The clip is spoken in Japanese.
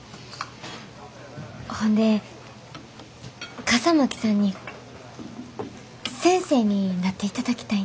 ほんで笠巻さんに先生になっていただきたいんです。